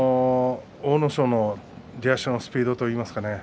阿武咲の出足のスピードといいますかね